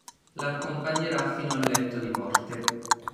Lo accompagnerà fino al letto di morte.